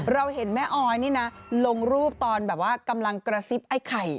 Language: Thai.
เราเห็นแม่ออยนี่นะลงรูปตอนแบบว่ากำลังกระซิบไอ้ไข่